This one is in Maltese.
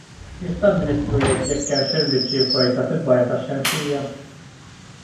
Jista' l-Ministru jgħid jekk hemmx irmiġġi vojta fil-bajja tax-Xemxija?